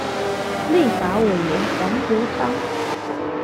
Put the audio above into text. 立法委員黃國昌